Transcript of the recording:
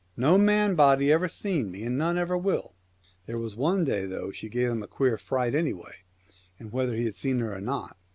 No man body ever seen me, and none ever will." 1 There was one day, though, she gave him a queer fright anyway, whether he had seen her or not.